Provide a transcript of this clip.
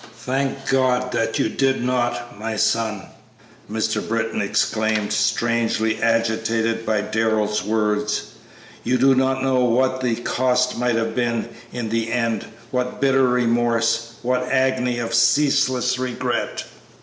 "Thank God that you did not, my son!" Mr. Britton exclaimed, strangely agitated by Darrell's words; "you do not know what the cost might have been in the end; what bitter remorse, what agony of ceaseless regret!"